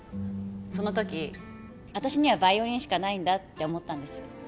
その時私にはヴァイオリンしかないんだって思ったんです